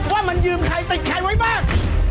ว่ามันยืมใครติดใครไว้บ้าง